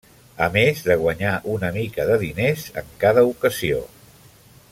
A més de guanyar una mica de diners en cada ocasió.